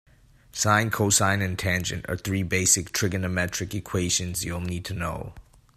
Sine, cosine and tangent are three basic trigonometric equations you'll need to know.